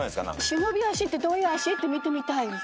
忍足ってどういう足って見てみたいですよ。